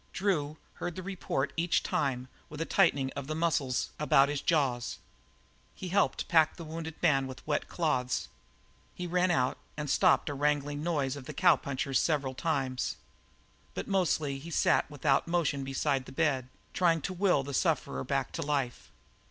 Drew heard the report each time with a tightening of the muscles about his jaws. He helped pack the wounded man with wet cloths. He ran out and stopped a wrangling noise of the cowpunchers several times. But mostly he sat without motion beside the bed, trying to will the sufferer back to life.